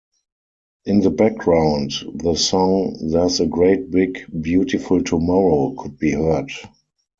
In the background, the song "There's a Great Big Beautiful Tomorrow" could be heard.